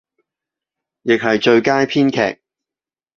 亦係最佳編劇